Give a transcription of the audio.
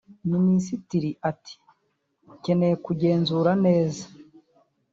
Minisitiri ati “Nkeneye kugenzura neza